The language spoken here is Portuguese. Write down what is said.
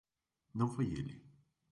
Não foi ele.